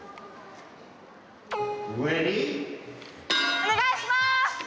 お願いします！